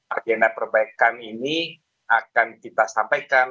agenda perbaikan ini akan kita sampaikan